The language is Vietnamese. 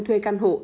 thuê căn hộ